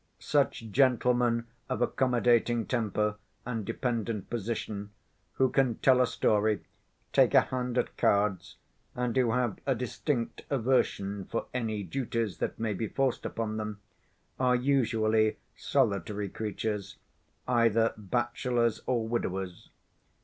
Such gentlemen of accommodating temper and dependent position, who can tell a story, take a hand at cards, and who have a distinct aversion for any duties that may be forced upon them, are usually solitary creatures, either bachelors or widowers.